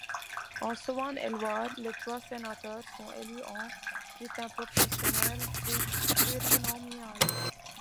En Saône-et-Loire, les trois sénateurs sont élus au scrutin proportionnel plurinominal.